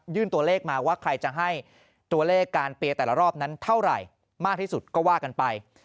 ตัวเลขมาว่าใครจะให้ตัวเลขการเปียร์แต่ละรอบนั้นเท่าไหร่มากที่สุดก็ว่ากันไป